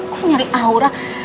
kok nyari aura